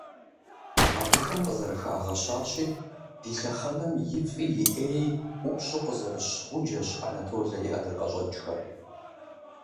Абыхэм къызэрыхагъэщащи, «ди лъэхъэнэм и фӀи и Ӏеи ӀупщӀу къызэрыщ гъуджэщ Анатолэ и ӀэдакъэщӀэкӀхэр».